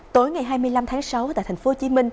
tối ngày hai mươi năm tháng sáu tại tp hcm